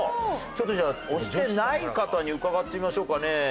ちょっとじゃあ押してない方に伺ってみましょうかね。